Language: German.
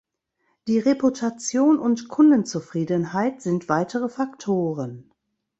Die Reputation und Kundenzufriedenheit sind weitere Faktoren.